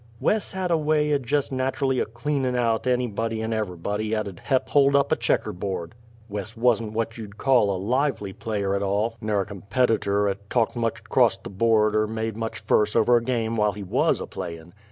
Wes had a way o' jest natchurly a cleanin' out anybody and ever'body 'at 'ud he'p hold up a checker board! Wes wuzn't what you'd call a lively player at all, ner a competiter 'at talked much 'crost the board er made much furse over a game whilse he wuz a playin'.